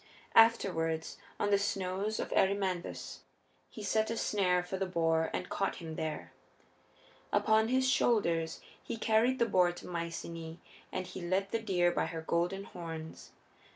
Afterward, on the snows of Erymanthus, he set a snare for the boar and caught him there. Upon his shoulders he carried the boar to Myceaæ and he led the deer by her golden horns.